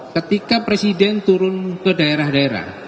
ketika presiden turun ke daerah daerah